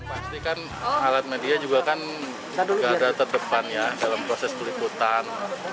pastikan alat media juga kan tidak ada terdepan ya dalam proses peliputan